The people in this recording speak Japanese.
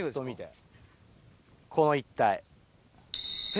この一帯？